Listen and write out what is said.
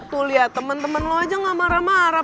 tuh liat temen temen lo aja gak marah marah